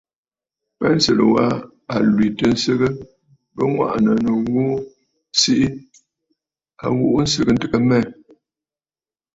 Pensə̀lə̀ wa a lwìtə̀ ǹsɨgə, bɨ ŋwàʼànə̀ nɨ ghu siʼi a ghuʼu nsɨgə ntɨgə mmɛ.